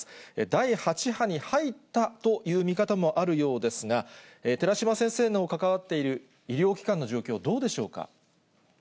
第８波に入ったという見方もあるようですが、寺嶋先生の関わっている医療機関の状況、どうでしょうか。